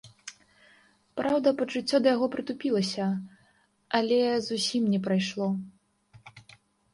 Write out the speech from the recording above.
Праўда, пачуццё да яго прытупілася, але зусім не прайшло.